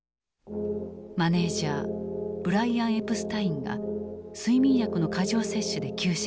マネージャーブライアン・エプスタインが睡眠薬の過剰摂取で急死した。